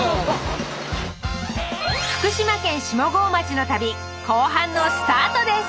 福島県下郷町の旅後半のスタートです！